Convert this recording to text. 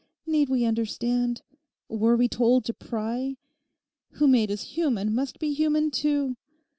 Need we understand? Were we told to pry? Who made us human must be human too.